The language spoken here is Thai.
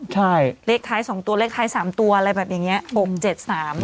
ใช่เลขท้ายสองตัวเลขท้ายสามตัวอะไรแบบอย่างเงี้หกเจ็ดสาม